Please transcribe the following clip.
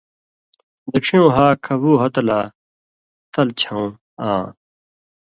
دڇھیوں ہا کھبُو ہتہۡھ لا تل چھؤں آں